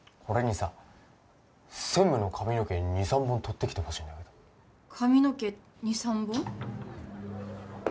これにさ専務の髪の毛２３本取ってきてほしいんだけど髪の毛２３本？